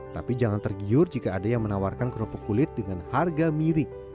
tapi jangan tergiur jika ada yang menawarkan kerupuk kulit dengan harga mirip